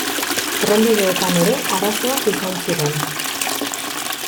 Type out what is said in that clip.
Trenbideetan ere arazoak izan ziren.